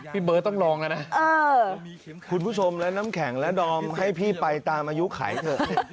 พี่เบิร์ตต้องลองแล้วนะคุณผู้ชมและน้ำแข็งและดอมให้พี่ไปตามอายุไขเถอะ